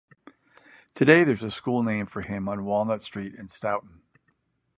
Today, there is a school named for him on Walnut Street in Stoughton.